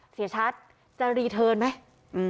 เสียชัดจะรีเทิร์นไหม